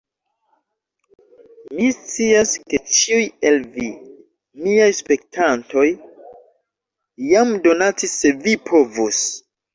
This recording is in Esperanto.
Mi scias ke ĉiuj el vi, miaj spektantoj jam donacis se vi povus